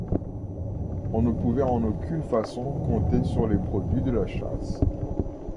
On ne pouvait en aucune façon compter sur les produits de la chasse.